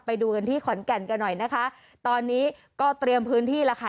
ไปดูกันที่ขอนแก่นกันหน่อยนะคะตอนนี้ก็เตรียมพื้นที่แล้วค่ะ